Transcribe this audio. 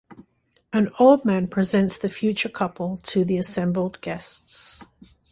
An old man presents the future couple to the assembled guests.